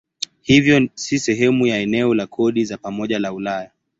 Hivyo si sehemu ya eneo la kodi za pamoja la Ulaya.